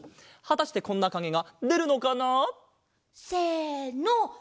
はたしてこんなかげがでるのかな？せの！